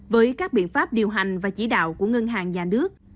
với các biện pháp điều hành và chỉ đạo của ngân hàng nhà nước